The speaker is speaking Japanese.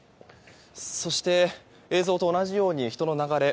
そして、映像と同じように人の流れ